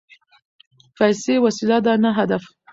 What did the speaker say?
پیسې وسیله ده نه هدف.